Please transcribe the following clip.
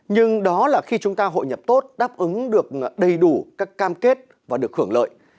nhưng đó là khi chúng ta hội nhập tốt đáp ứng được đầy đủ các cam kết và được hưởng lợi